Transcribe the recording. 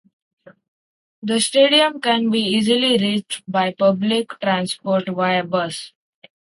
The stadium can be easily reached by public transport via bus.